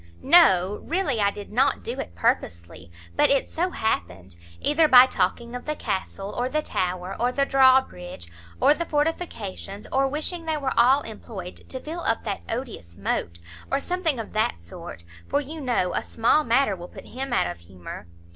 "No, really, I did not do it purposely; but it so happened; either by talking of the castle, or the tower, or the draw bridge, or the fortifications; or wishing they were all employed to fill up that odious moat; or something of that sort; for you know a small matter will put him out of humour."